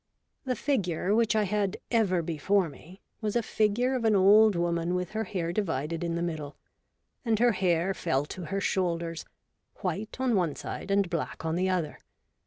The figure which I had ever before me, was a figure of an old woman with her hair divided in the middle ; and her hair fell to her shoulders, white on one side and black on the other.